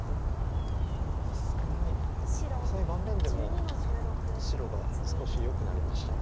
さすがに盤面でも白が少しよくなりました。